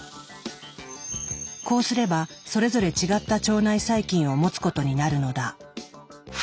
こうすればそれぞれ違った腸内細菌を持つことになるのだ。